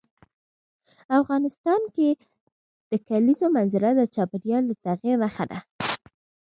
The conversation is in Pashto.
افغانستان کې د کلیزو منظره د چاپېریال د تغیر نښه ده.